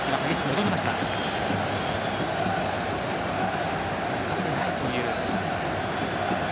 行かせないという。